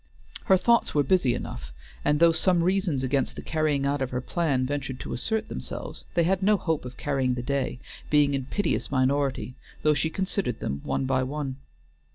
Her thoughts were busy enough, and though some reasons against the carrying out of her plan ventured to assert themselves, they had no hope of carrying the day, being in piteous minority, though she considered them one by one.